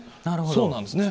そうなんですね。